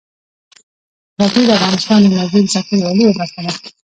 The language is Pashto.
غزني د افغانستان د انرژۍ د سکتور یوه لویه برخه ده.